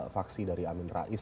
faksi dari amin rais